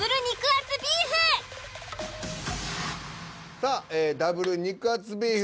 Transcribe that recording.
さあダブル肉厚ビーフ